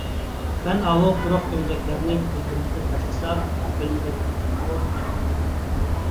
مەن ئاۋۇ قۇرۇق كومزەكلەرنى گۈلدۈرلىتىپ تاشلىسام، ئۇ ئۆلمىگەن تەقدىردىمۇ يىقىلىپ ياتىدۇ.